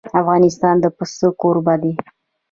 افغانستان د پسه کوربه دی.